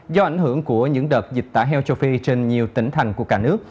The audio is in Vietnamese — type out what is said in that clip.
do ảnh hưởng của những đợt dịch tả heo châu phi trên nhiều tỉnh thành của cả nước